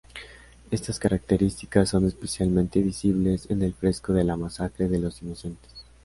Estas características son especialmente visibles en el fresco de la "Masacre de los Inocentes".